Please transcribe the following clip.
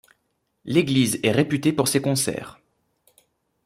L'église est réputée pour ses concerts.